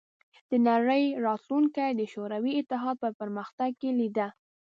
د نړۍ راتلونکې د شوروي اتحاد په پرمختګ کې لیده